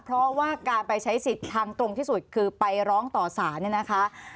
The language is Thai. เพราะว่าการไปใช้สิทธิ์ทางตรงที่สุดคือไปร้องต่อสารเนี่ยนะคะ